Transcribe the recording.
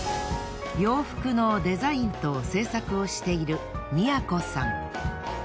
洋服のデザインと製作をしている美也子さん。